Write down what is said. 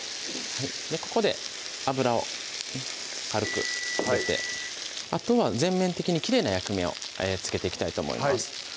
ここで油を軽く入れてあとは全面的にきれいな焼き目をつけていきたいと思います